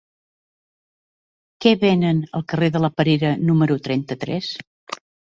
Què venen al carrer de la Perera número trenta-tres?